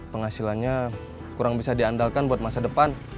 penghasilannya kurang bisa diandalkan buat masa depan